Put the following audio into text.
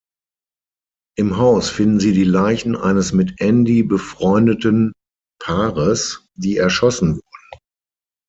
Im Haus finden sie die Leichen eines mit Andy befreundeten Paares, die erschossen wurden.